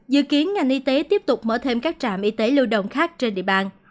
dự kiến ngành y tế tiếp tục mở thêm các trạm y tế lưu động khác trên địa bàn